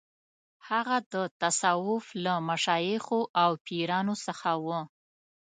هغه د تصوف له مشایخو او پیرانو څخه و.